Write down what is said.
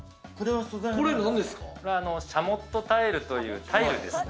シャモットタイルというタイルですね。